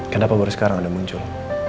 kenapa baru sekarang ada muncul